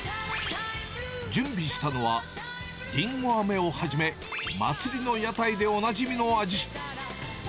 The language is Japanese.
準備したのは、りんごあめをはじめ、祭りの屋台でおなじみの味。